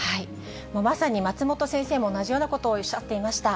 まさに松本先生も同じようなことをおっしゃっていました。